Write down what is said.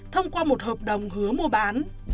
thông qua một hợp đồng hứa mua bán